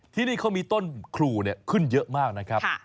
ที่นี่เขามีต้นครูขึ้นเยอะมากนะครับ